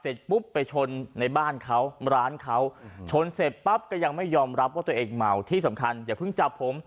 เสร็จปุ๊บไปชนในบ้านเขาร้านเขาชนเสร็จปั๊บก็ยังไม่ยอมรับว่าตัวเองเมาที่สำคัญอย่าเพิ่งจับผม